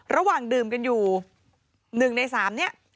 ระหว่างดื่มกันอยู่๑ใน๓เนี่ย